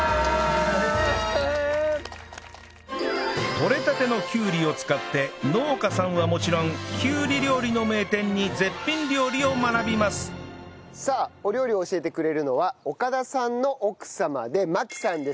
とれたてのきゅうりを使って農家さんはもちろんきゅうり料理の名店に絶品料理を学びますさあお料理を教えてくれるのは岡田さんの奥様で麻希さんです。